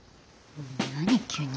何急に。